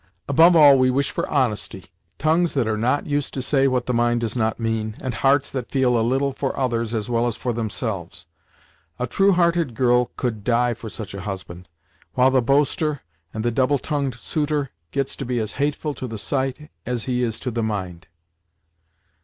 Above all we wish for honesty tongues that are not used to say what the mind does not mean, and hearts that feel a little for others, as well as for themselves. A true hearted girl could die for such a husband! while the boaster, and the double tongued suitor gets to be as hateful to the sight, as he is to the mind."